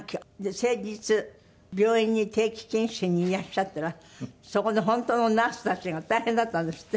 先日病院に定期健診にいらっしゃったらそこの本当のナースたちが大変だったんですって？